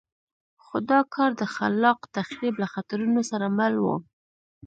خو دا کار د خلاق تخریب له خطرونو سره مل وو.